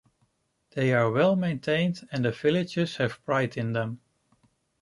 They are well maintained and the villagers have pride in them.